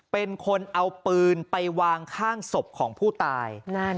เป็นคนเอาปืนไปวางข้างศพของผู้ตาย